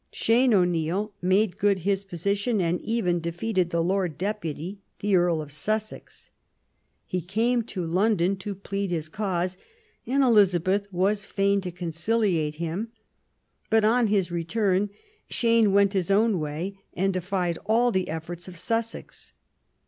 Shan O'Neill made good his position, and even defeated the Lord Deputy, the Earl of Sussex. He came to London to plead his cause, and Elizabeth was fain to conciliate him ; but on his return Shan went his own way and defied all the efforts of Sussex.